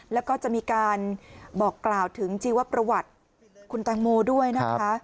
แล้วก็จะมีการบอกกล่าวถึงชีวประวัติคุณแตงโมด้วยนะคะ